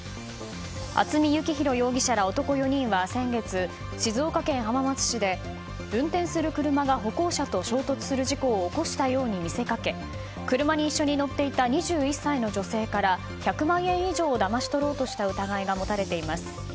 渥美幸弘容疑者ら、男４人は先月静岡県浜松市で運転する車が歩行者と衝突する事故を起こしたように見せかけ車に一緒に乗っていた２１歳の女性から１００万円以上をだまし取ろうとした疑いが持たれています。